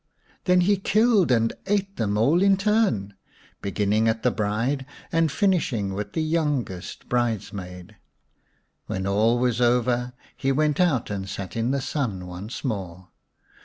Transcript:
Then he killed and ate them all in turn, beginning at the bride and finishing with the youngest bridesmaid. When all was over he went out and sat in the sun once more.